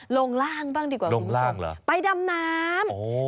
ลงล่างบ้างดีกว่าคุณผู้ชมไปดำน้ำหรือ